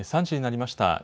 ３時になりました。